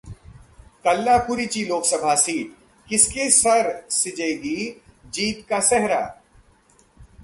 कल्लाकुरिची लोकसभा सीट: किसके सिर सजेगा जीत का सेहरा